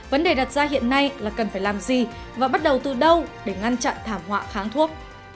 vấn đề đặt ra hiện nay là cần phải làm gì và bắt đầu từ đâu để ngăn chặn thảm họa kháng thuốc